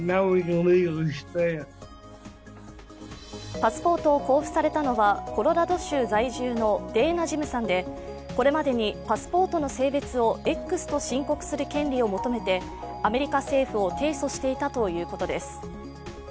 パスポートを交付されたのはコロラド州在住のデーナ・ジムさんでこれまでにパスポートの性別をＸと申告する権利を求めてアメリカ政府を提訴していたということです。